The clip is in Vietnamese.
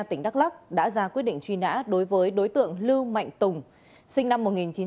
tỉnh đắk lắc đã ra quyết định truy nã đối với đối tượng lưu mạnh tùng sinh năm một nghìn chín trăm tám mươi